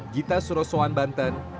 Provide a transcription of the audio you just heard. gita surosoan banten